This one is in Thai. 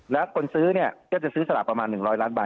แล้วคนซื้อเนี่ยก็จะซื้อสลากประมาณ๑๐๐ล้านบาท